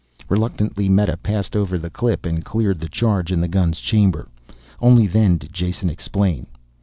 Reluctantly Meta passed over the clip and cleared the charge in the gun's chamber. Only then did Jason explain.